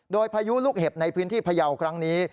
โดยพายุลูกเห็บในพื้นที่พยาวครั้งนี้